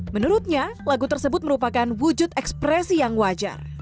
menurutnya lagu tersebut merupakan wujud ekspresi yang wajar